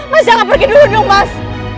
mas jangan pergi dulu dong mas